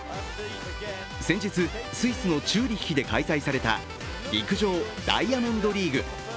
先日、スイスのチューリッヒで開催された陸上ダイヤモンドリーグ。